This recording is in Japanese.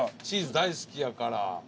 チーズ大好きやから。